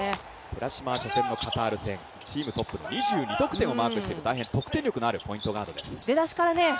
寺嶋は初戦のカタール戦、チームトップの２２得点をマークしている大変得点力のあるポイントガードです。